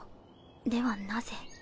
ではなぜ。